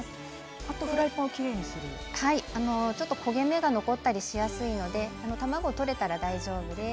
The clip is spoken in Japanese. あとはフライパンを拭く、焦げ目が残ったりしやすいので卵が取れたら大丈夫です。